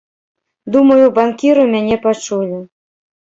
Думаю, банкіры мяне пачулі.